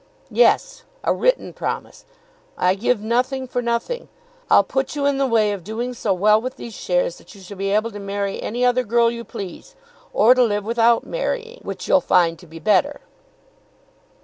"Yes; a written promise. I give nothing for nothing. I'll put you in the way of doing so well with these shares that you shall be able to marry any other girl you please; or to live without marrying, which you'll find to be better."